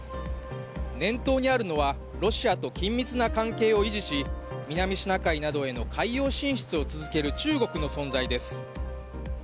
念頭にあるのはロシアと緊密な関係を維持し南シナ海などへの海洋進出を続ける中国の存在です。